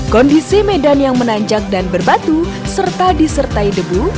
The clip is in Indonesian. kondisi medan yang menanjak dan berbatu serta disertai debu